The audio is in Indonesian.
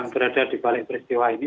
berada di balik peristiwa ini